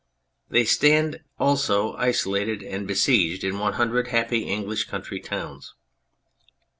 They stand also isolated and besieged in one hundred happy English country towns.